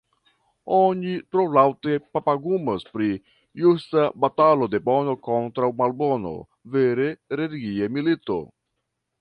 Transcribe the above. Oni tro laŭte papagumas pri justa batalo de Bono kontraŭ Malbono, vere religia milito.